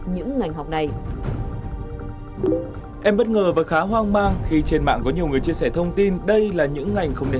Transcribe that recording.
những ngành học vô dụng